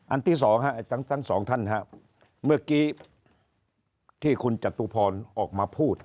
ที่สองทั้งสองท่านครับเมื่อกี้ที่คุณจตุพรออกมาพูด